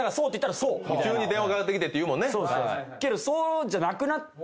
けどそうじゃなくなって。